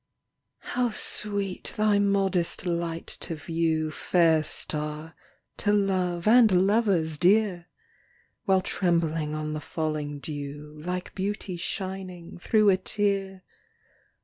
How sweet thy modest light to view, Fair Star, to love and lovers dear ! While trembling on the falling dew, Like beauty shining through a tear.